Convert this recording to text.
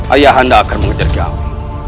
ayah anda akan mengejar kami